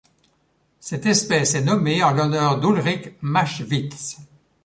Cette espèce est nommée en l'honneur d'Ulrich Maschwitz.